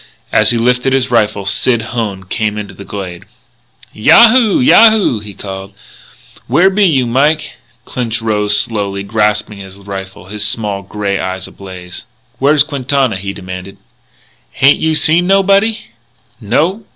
As he lifted his rifle, Sid Hone came into the glade. "Yahoo! Yahoo!" he called. "Where be you, Mike?" Clinch slowly rose, grasping his rifle, his small, grey eyes ablaze. "Where's Quintana?" he demanded. "H'ain't you seen nobody?" "No."